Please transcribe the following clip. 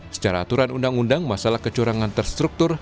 secara aturan undang undang masalah kecurangan terstruktur